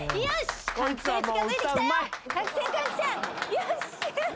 よし。